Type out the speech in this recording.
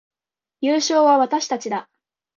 優勝は私たちだ